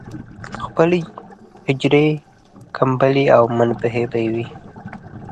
خپلې حجرې، کمبلې او منابع به یې وې.